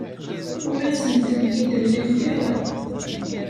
Ur asent-ten-id-mlant ara.